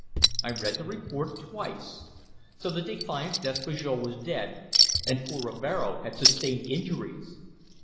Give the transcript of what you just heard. I read the report twice. So the defiant Despujol was dead, and poor Rivero had sustained injuries!